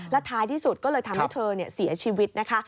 ท้ายที่สุดก็เลยทำให้เธอเสียชีวิตนะคะ